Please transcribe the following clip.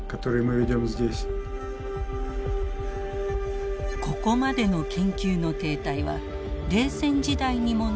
ここまでの研究の停滞は冷戦時代にもなかったといいます。